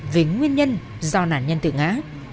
với nguyên nhân do nạn nhân tự ngạ